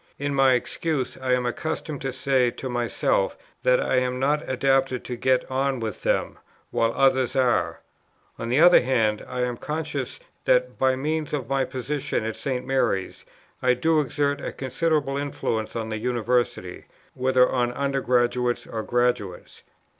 In my excuse I am accustomed to say to myself that I am not adapted to get on with them, while others are. On the other hand, I am conscious that by means of my position at St. Mary's, I do exert a considerable influence on the University, whether on Under graduates or Graduates.